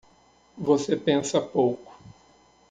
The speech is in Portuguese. Você pensa pouco